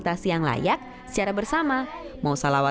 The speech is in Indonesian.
keberadaan ipal komunal di lingkungan pesantren kini dinikmati manfaatnya